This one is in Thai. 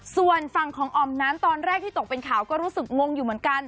ส่วนฝั่งของอ๋อมนั้นตอนแรกที่ตกเป็นข่าวก็รู้สึกงงอยู่เหมือนกัน